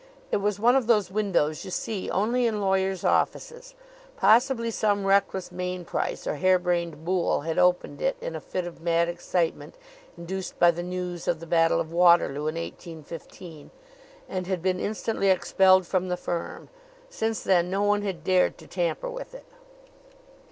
It was one of those windows you see only in lawyers' offices. Possibly some reckless Mainprice or harebrained Boole had opened it in a fit of mad excitement induced by the news of the Battle of Waterloo, in 1815, and had been instantly expelled from the firm. Since then, no one had dared to tamper with it.